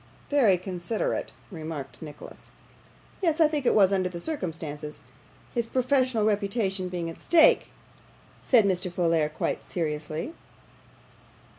'Very considerate,' remarked Nicholas. 'Yes, I think it was under the circumstances; his professional reputation being at stake,' said Mr. Folair, quite seriously.